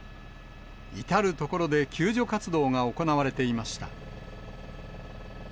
至る所で救助活動が行われていました。